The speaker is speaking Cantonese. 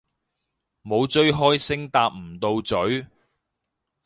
冇追開星搭唔到咀